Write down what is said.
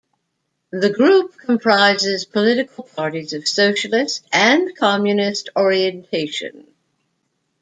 The group comprises political parties of socialist and communist orientation.